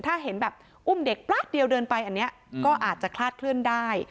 ถ้าเห็นแบบอุ้มเด็กแป๊บเดียวเดินไปอันนี้ก็อาจจะคลาดเคลื่อนได้